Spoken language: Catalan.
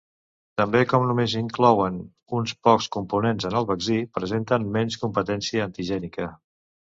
També com només s'inclouen uns pocs components en el vaccí, presenten menys competència antigènica.